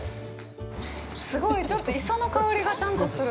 すごい、ちょっと磯の香りがちゃんとする。